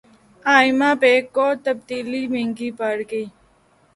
ئمہ بیگ کو تبدیلی مہنگی پڑ گئی